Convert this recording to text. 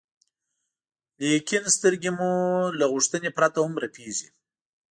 لیکن سترګې مو له غوښتنې پرته هم رپېږي.